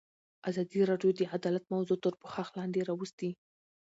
ازادي راډیو د عدالت موضوع تر پوښښ لاندې راوستې.